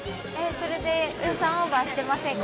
それで予算オーバーしてませんか？